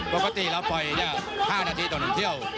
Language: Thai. ปกติเราปล่อย๕นาทีต่อ๑เที่ยว